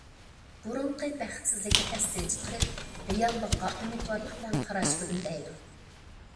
بۇرۇنقى بەختسىزلىكنى ئەستىن چىقىرىپ، رېئاللىققا ئۈمىدۋارلىق بىلەن قاراشقا ئۈندەيدۇ.